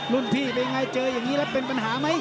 รุ่นพี่เป็นไงเจออย่างนี้แล้วเป็นปัญหาไหม